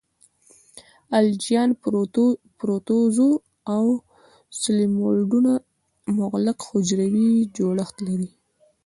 الجیان، پروتوزوا او سلیمولدونه مغلق حجروي جوړښت لري.